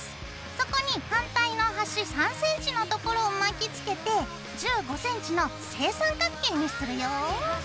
そこに反対の端３センチのところを巻きつけて１５センチの正三角形にするよ。